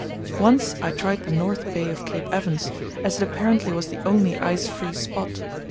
Once I tried the North Bay of Cape Evans, as it apparently was the only ice free spot.